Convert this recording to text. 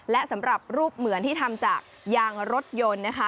และสำหรับรูปเหมือนที่ทำจากยางรถยนต์นะคะ